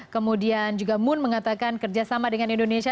kemudian juga moon mengatakan kerjasama dengan indonesia